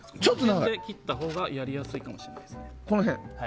この辺で切ったほうがやりやすいかもしれないです。